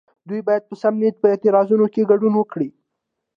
دوی باید په سم نیت په اعتراضونو کې ګډون وکړي.